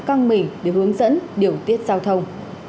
căng mỉ để hướng dẫn điều tiết giao thông